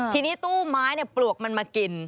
ทีนี้ตู้ไม้ปลวกมันมากิน